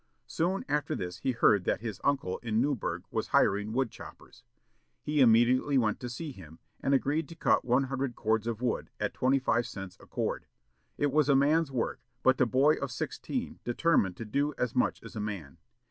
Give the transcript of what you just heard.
Soon after this he heard that his uncle in Newburg was hiring wood choppers. He immediately went to see him, and agreed to cut one hundred cords of wood, at twenty five cents a cord. It was a man's work, but the boy of sixteen determined to do as much as a man.